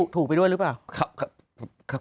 ถูกไปด้วยหรือเปล่า